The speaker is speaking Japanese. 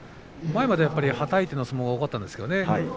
前までは、はたいての相撲が多かったですね。